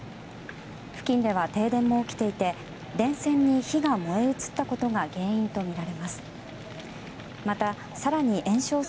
付近では停電も起きていて電線に火が燃え移ったことが原因とみられます。